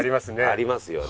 ありますよね。